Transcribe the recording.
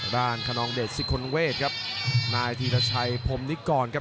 ด้านคนนองเดชน์สิทธิ์คงเวทครับนายธีรชัยพรมนิกอร์นครับ